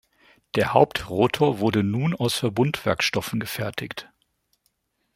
Der Hauptrotor wurde nun aus Verbundwerkstoffen gefertigt.